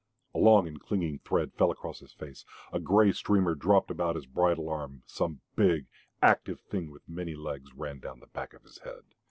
A long and clinging thread fell across his face, a grey streamer dropped about his bridle arm, some big, active thing with many legs ran down the back of his head.